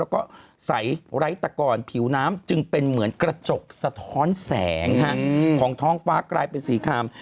แล้วก็ใสไร้ตะกอนผิวน้ำจึงเป็นเหมือนกระจกสะท้อนแสงของท้องฟ้ากลายเป็นสีคาม